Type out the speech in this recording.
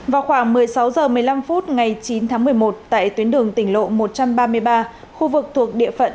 vào khoảng một mươi sáu h một mươi năm phút ngày chín tháng một mươi một tại tuyến đường tỉnh lộ một trăm ba mươi ba khu vực thuộc địa phận